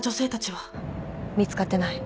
見つかってない。